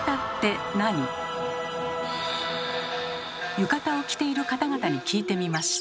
浴衣を着ている方々に聞いてみました。